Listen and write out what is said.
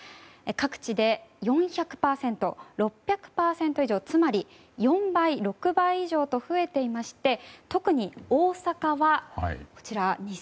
各地で４００％、６００％以上つまり４倍、６倍以上と増えていまして特に大阪は２０００％。